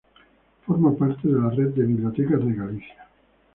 Forma parte de la Red de Bibliotecas de Galicia.